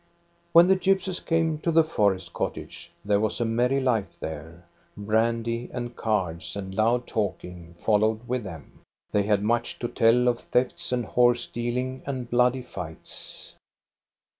When the gypsies came to the forest cottage, there was a merry life there. Brandy and cards and loud talking followed with them. They had much to tell of thefts and horse dealing and bloody fights.